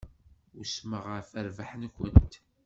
Usmeɣ ɣef rrbeḥ-nkent.